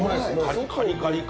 カリカリ感。